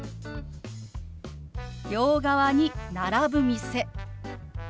「両側に並ぶ店」。